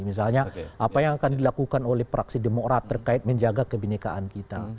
misalnya apa yang akan dilakukan oleh praksi demokrat terkait menjaga kebenekaan kita